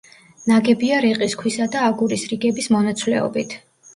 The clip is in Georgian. ნაგებია რიყის ქვისა და აგურის რიგების მონაცვლეობით.